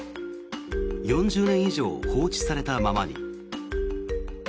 ４０年以上、放置されたままに。